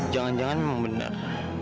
jangan jangan memang benar